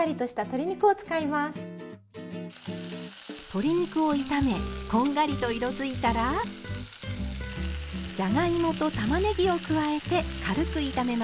鶏肉を炒めこんがりと色づいたらじゃがいもとたまねぎを加えて軽く炒めます。